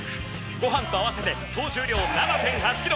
ご飯と合わせて総重量７．８キロ